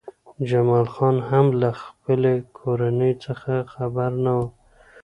جمال خان هم له خپلې کورنۍ څخه خبر نه و